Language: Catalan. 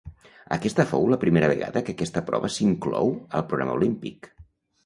Aquesta fou la primera vegada que aquesta prova s'inclou al programa olímpic.